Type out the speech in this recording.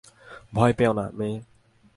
ভয় পেও না, মেয়ে।